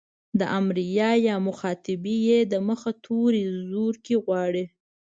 د امريه يا مخاطبې ئ د مخه توری زورکی غواړي.